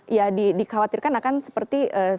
iya dikhawatirkan akan seperti sembilan puluh sembilan